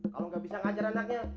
kalau nggak bisa ngajar anaknya